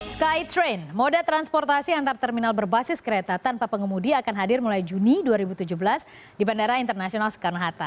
skytrain moda transportasi antar terminal berbasis kereta tanpa pengemudi akan hadir mulai juni dua ribu tujuh belas di bandara internasional soekarno hatta